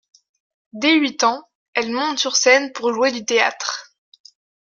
Dès huit ans, elle monte sur scène pour jouer du théâtre.